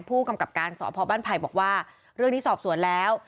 ผู้กำกับการสพบ้านไผ่บอกว่าเรื่องนี้สอบสวนแล้ว